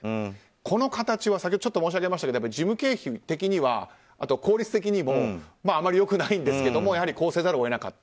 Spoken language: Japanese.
この形は先ほど申し上げましたが事務経費的に、効率的にもあまり良くないんですがこうせざるを得なかった。